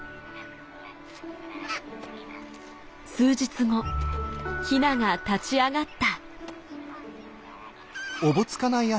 数日後ヒナが立ち上がった。